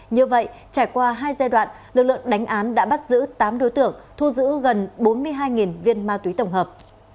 như vậy trải qua hai giai đoạn lực lượng đánh án đã bắt giữ tám đối tượng thu giữ gần bốn mươi hai viên ma túy tổng hợp